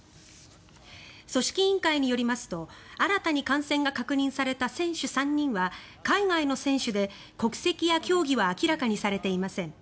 組織委員会によりますと新たに感染が確認された選手３人は海外の選手で国籍や競技は明らかにされていません。